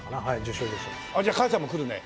じゃあ母ちゃんも来るね。